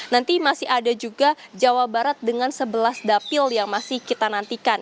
nanti masih ada juga jawa barat dengan sebelas dapil yang masih kita nantikan